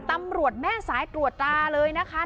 ตำรวจแม่สายตรวจตราเลยนะคะ